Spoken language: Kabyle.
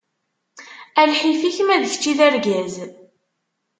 A lḥif-ik, ma d kečč i d argaz!